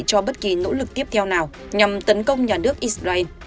cho bất kỳ nỗ lực tiếp theo nào nhằm tấn công nhà nước israel